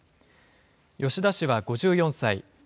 吉田氏は５４歳。